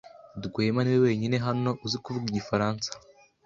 Rwema niwe wenyine hano uzi kuvuga igifaransa.